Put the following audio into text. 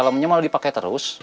helomnya mau dipakai terus